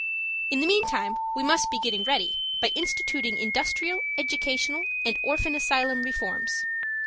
In the meantime, we must be getting ready, by instituting industrial, educational and orphan asylum reforms.